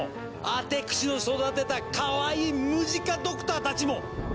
アテクシの育てたかわいいムジカ・ドクターたちも！